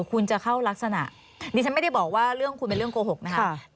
คุณจะเข้ารักษณะดิฉันไม่ได้บอกว่าเรื่องคุณเป็นเรื่องโกหกนะครับ